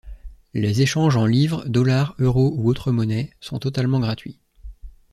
Les échanges en livres, dollars, euros ou autres monnaies sont totalement gratuits.